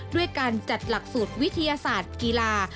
ด้วยการจัดหลักสูตรวิทยาศาสตร์กีฬา